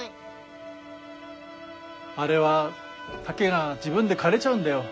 あれは竹が自分でかれちゃうんだよ。